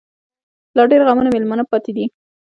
لا ډيـر غمـــــونه مېلـــمانه پــاتې دي